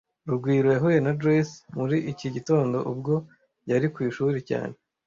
Rugwiro yahuye na Joyce muri iki gitondo ubwo yari ku ishuri cyane